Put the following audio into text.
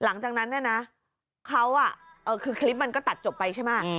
หลังจากนั้นเนี่ยนะเขาคือคลิปมันก็ตัดจบไปใช่ไหม